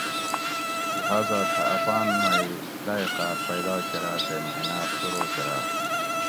لِھٰذا تھہ اپان مئ لایٔقات پیدا کراۤ تے محناۤت شروع کۤرا